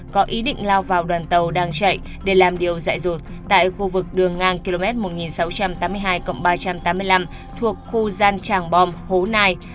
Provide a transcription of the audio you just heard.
có ý định lao vào đoàn tàu đang chạy để làm điều dạy rụt tại khu vực đường ngang km một nghìn sáu trăm tám mươi hai ba trăm tám mươi năm thuộc khu gian tràng bom hố nai